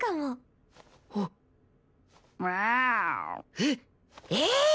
えっええっ！